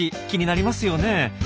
気になりますよね。